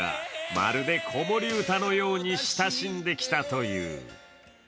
まるで子守歌のように親しんできたという。